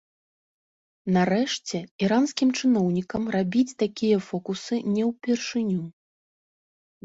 Нарэшце, іранскім чыноўнікам рабіць такія фокусы не ўпершыню.